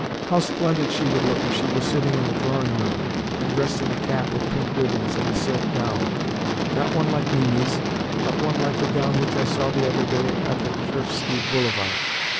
How splendid she would look if she were sitting in a drawing room and dressed in a cap with pink ribbons and a silk gown—not one like Mimi's, but one like the gown which I saw the other day on the Tverski Boulevard!"